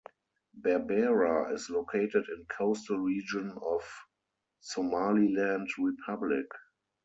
Berbera is located in coastal region of Somaliland Republic.